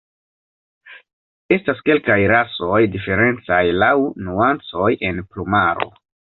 Estas kelkaj rasoj diferencaj laŭ nuancoj en plumaro.